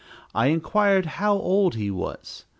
I inquired how old he was.